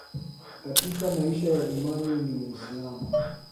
Katika maisha ya imani ni Muislamu